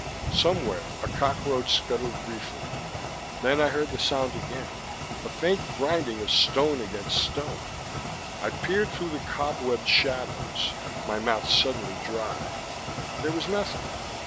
Somewhere a cockroach scuttled briefly. Then I heard the sound again, a faint grinding of stone against stone. I peered through the cob webbed shadows, my mouth suddenly dry. There was nothing.